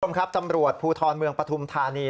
รวมครับตำรวจภูทรเมืองปฐุมธานี